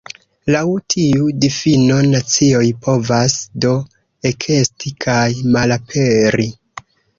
Laŭ tiu difino nacioj povas do ekesti kaj malaperi.